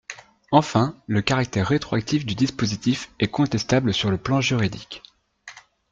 Enfin, le caractère rétroactif du dispositif est contestable sur le plan juridique.